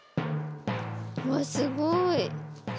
うわすごい。